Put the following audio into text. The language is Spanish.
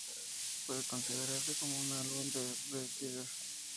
Puede considerarse como un álbum de B-Sides.